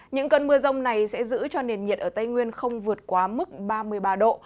những cơn mưa rông này sẽ giữ cho nền nhiệt ở tây nguyên không vượt quá mức ba mươi ba độ